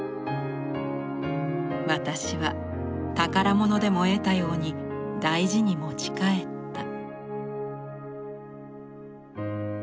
「私は宝物でも得たように大事に持ち帰った」。